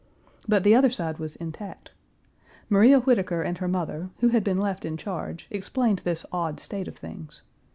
But the other side was intact. Maria Whitaker and her mother, who had been left in charge, explained this odd state of things.